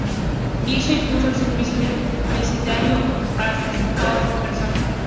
Hizo y puso al servicio del vecindario toda su persona.